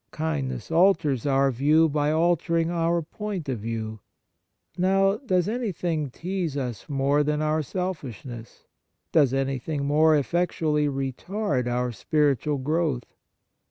Kindness alters our view by altering our point of view. Now, does anything tease us more than our selfishness ? Does anything more effectually retard our spiritual growth